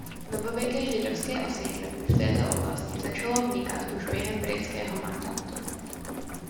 Novověké židovské osídlení v této oblasti začalo vznikat už během britského mandátu.